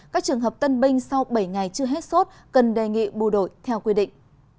các trường hợp tân binh sau bảy ngày chưa hết sốt cần đề nghị bù đổi theo quy định